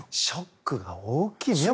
ショックが大きい。